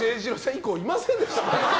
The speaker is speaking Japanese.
以降いませんでした？